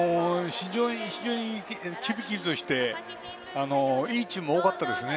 非常にきびきびとしていいチームが多かったですね。